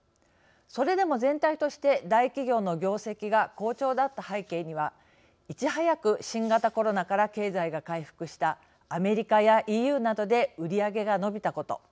それでも全体として大企業の業績が好調だった背景にはいち早く新型コロナから経済が回復したアメリカやＥＵなどで売り上げが伸びたこと。